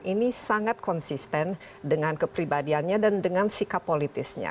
ini sangat konsisten dengan kepribadiannya dan dengan sikap politisnya